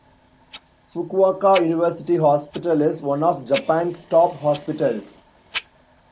Fukuoka University Hospital is one of Japan's top hospitals.